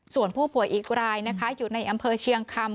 ส่วนผู้ป่วยอีกรายนะคะอยู่ในอำเภอเชียงคำ